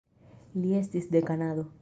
Li estis de Kanado.